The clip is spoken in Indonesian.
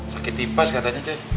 sakit tipas katanya teh